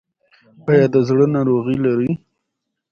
ایا د زړه ناروغي لرئ؟